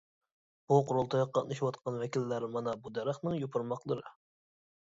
بۇ قۇرۇلتايغا قاتنىشىۋاتقان ۋەكىللەر مانا بۇ دەرەخنىڭ يوپۇرماقلىرى.